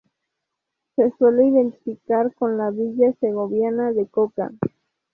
Se suele identificar con la villa segoviana de Coca.